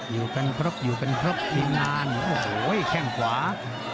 อยู่กันครบอยู่กันครบมีงานโอ้โหแข้งขวา